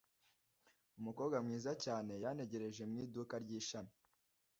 Umukobwa mwiza cyane yantegereje mu iduka ry’ishami.